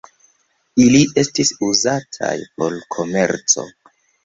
Ili estis uzataj por komerco.